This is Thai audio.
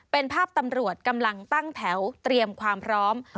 เป็นภาพตำรวจกำลังตั้งแถวเตรียมความพร้อม